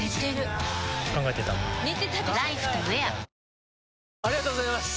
わかるぞありがとうございます！